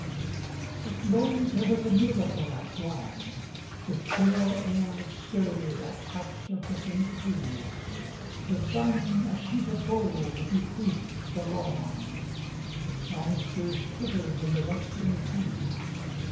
But lo, there was a miracle at dawn! The still air stirred at touch of the faint breeze, The sun a sheet of gold bequeathed the lawn, The songsters twittered in the rustling trees.